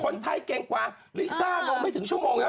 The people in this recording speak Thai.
คนไทยเก่งกว่าลิซ่าลงไม่ถึงชั่วโมงแล้ว